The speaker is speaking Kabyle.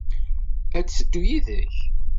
Ad d-teddu yid-k?